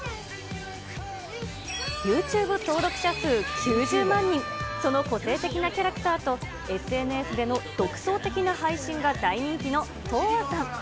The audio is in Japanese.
ユーチューブ登録者数９０万人、その個性的なキャラクターと、ＳＮＳでの独創的な配信が大人気のとうあさん。